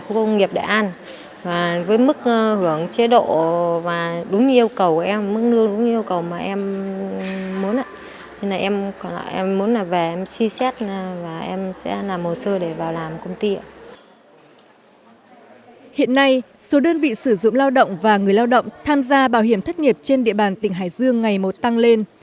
hiện nay số đơn vị sử dụng lao động và người lao động tham gia bảo hiểm thất nghiệp trên địa bàn tỉnh hải dương ngày một tăng lên